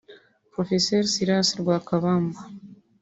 Prof Silas Rwakabamba